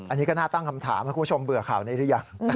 อันนี้ก็น่าตั้งคำถามนะคุณผู้ชมเบื่อข่าวนี้หรือยัง